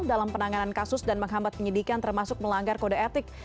dalam penanganan kasus dan menghambat penyidikan termasuk melanggar kode etik